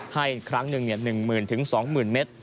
ให้ครั้งนึงเนี่ย๑๐๐๐๐๒๐๐๐๐เมตร